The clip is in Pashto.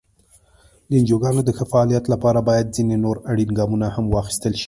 د انجوګانو د ښه فعالیت لپاره باید ځینې نور اړین ګامونه هم واخیستل شي.